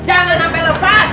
jangan sampai lepas